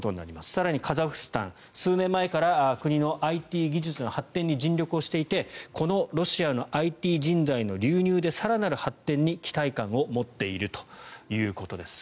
更にカザフスタン数年前から国のＩＴ技術の発展に尽力をしていてこのロシアのＩＴ人材の流入で更なる発展に期待感を持っているということです。